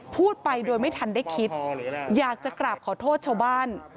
พูดไปโดยไม่ทันได้คิดอยากจะกราบขอโทษชาวบ้าน